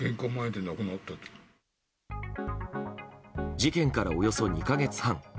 事件からおよそ２か月半。